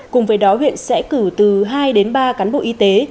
cùng với đó huyện sẽ cử từ hai đến ba cán bộ y tế